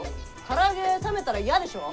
から揚げ冷めたら嫌でしょ？